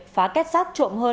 phá kết sát cho các doanh nghiệp